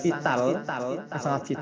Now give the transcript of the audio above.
menjadi lembaga yang sangat vital